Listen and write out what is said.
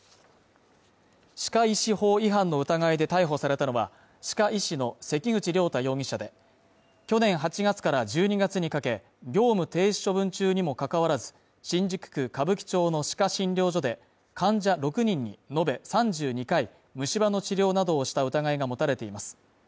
歯科医師法違反の疑いで逮捕されたのは、歯科医師の関口了太容疑者で、去年８月から１２月にかけ、業務停止処分中にも関わらず、新宿区歌舞伎町の歯科診療所で、患者６人に延べ３２回、虫歯の治療などをした疑いが持たれています。